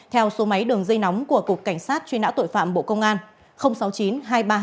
theo số máy đường dây nóng của cục cảnh sát truy nã tội phạm bộ công an